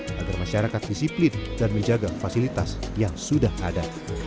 agar masyarakat disiplin dan menjaga fasilitas yang sudah ada